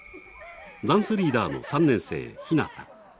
ダンスリーダーの３年生ひなた。